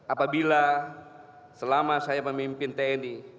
apabila selama saya memimpin tni